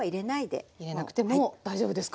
入れなくても大丈夫ですか？